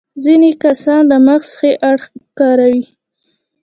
ځينې کسان د مغز ښي اړخ کاروي.